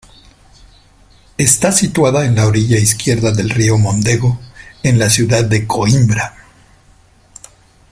Está situada en la orilla izquierda del río Mondego, en la ciudad de Coímbra.